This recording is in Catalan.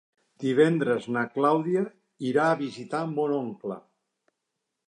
Divendres na Clàudia irà a visitar mon oncle.